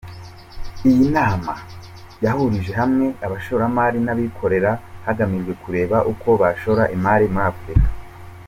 Iyi nama yahurije hamwe abashoramari n’ababikorera hagamijwe kureba uko bashora imari muri Afurika.